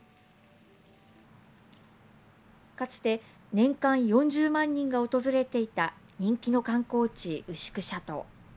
かつて年間４０万人が訪れていた人気の観光地、牛久シャトー。